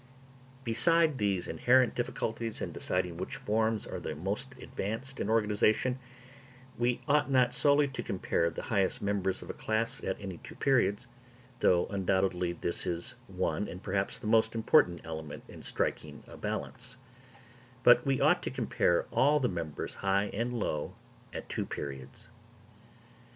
Beside these inherent difficulties in deciding which forms are the most advanced in organisation, we ought not solely to compare the highest members of a class at any two periods—though undoubtedly this is one and perhaps the most important element in striking a balance—but we ought to compare all the members, high and low, at two periods.